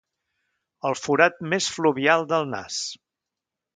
El forat més fluvial del nas.